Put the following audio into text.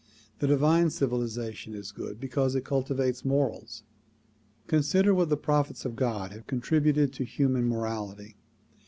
The divine civilization is good because it cultivates morals. Consider what the prophets of God have contributed to human morality.